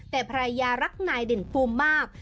แต่ภรรยารักนายเด่นภูมิมาก